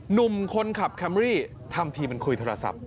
หนุ่มคนขับแคมรี่ทำทีเป็นคุยโทรศัพท์